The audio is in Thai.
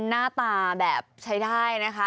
หน้าตาแบบใช้ได้นะคะ